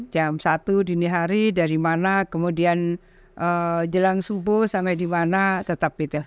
jam satu dini hari dari mana kemudian jelang subuh sampai di mana tetap gitu